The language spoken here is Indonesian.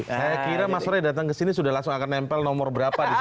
saya kira mas roy datang ke sini sudah langsung akan nempel nomor berapa di sini